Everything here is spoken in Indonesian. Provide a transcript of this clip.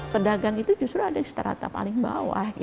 pedagang itu justru ada di seterata paling bawah